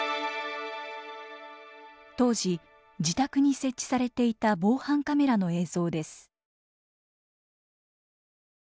当時自宅に設置されていた防犯カメラの映像です。